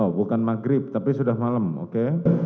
oh bukan maghrib tapi sudah malam oke